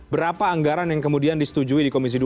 berapa anggaran yang kemudian disetujui di komisi dua